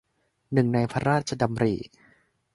หนึ่งในพระราชดำริ